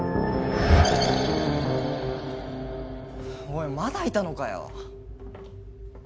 おいまだいたのかよ。